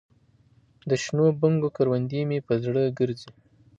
دشنو بنګو کروندې مې په زړه ګرځي